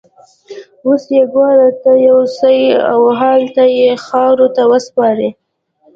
اوس يې ګور ته يوسئ او هلته يې خاورو ته وسپارئ.